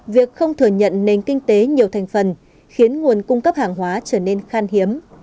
việc không thừa nhận nền kinh tế nhiều thành phần khiến nguồn cung cấp hàng hóa trở nên khan hiếm